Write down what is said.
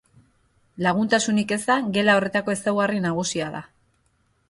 Laguntasunik eza gela horretako ezaugarri nagusia da.